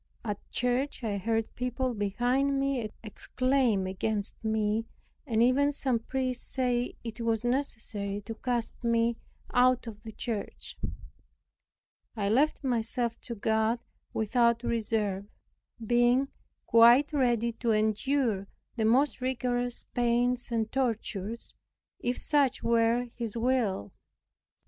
At church I heard people behind me exclaim against me, and even some priests say it was necessary to cast me out of the church. I left myself to God without reserve, being quite ready to endure the most rigorous pains and tortures, if such were His will.